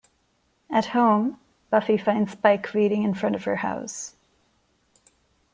At home, Buffy finds Spike waiting in front of her house.